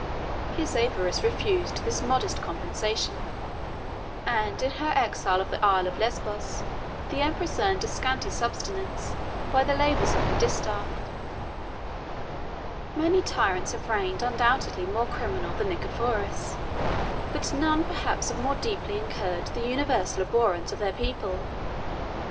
His avarice refused this modest compensation; and, in her exile of the Isle of Lesbos, the empress earned a scanty subsistence by the labors of her distaff. Many tyrants have reigned undoubtedly more criminal than Nicephorus, but none perhaps have more deeply incurred the universal abhorrence of their people.